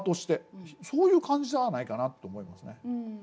そういう感じじゃないかなと思いますね。